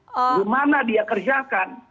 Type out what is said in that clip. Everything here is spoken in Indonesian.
bagaimana dia kerjakan